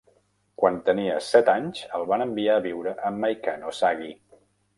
Quan tenia set anys el van enviar a viure amb Maikano Zagi.